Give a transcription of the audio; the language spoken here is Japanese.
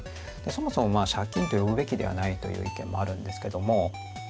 そもそも借金と呼ぶべきではないという意見もあるんですけども。